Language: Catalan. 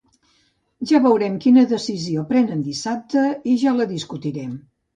Ja veurem quina decisió prenen dissabte i ja la discutirem.